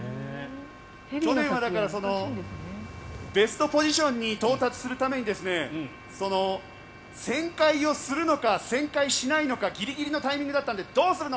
去年はベストポジションに到達するために旋回をするのか旋回しないのかギリギリのタイミングだったのでどうするの？